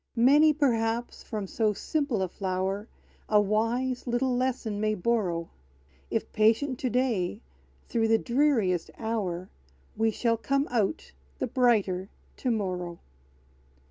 Many, perhaps, from so simple a flower A wise little lesson may borrow: If patient to day through the dreariest hour, We shall come out the brighter to morrow!